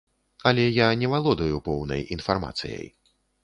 Але я не валодаю поўнай інфармацыяй.